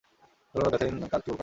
তূলনামূলক ব্যথাহীন কাজ চুল কাটা।